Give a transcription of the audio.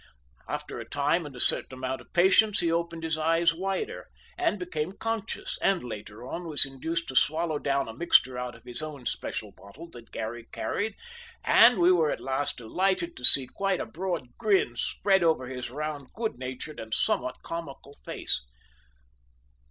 After a time and a certain amount of patience he opened his eyes wider, and became conscious, and later on was induced to swallow down a mixture out of his own special bottle that Garry carried, and we were at last delighted to see quite a broad grin spread over his round good natured and somewhat comical face.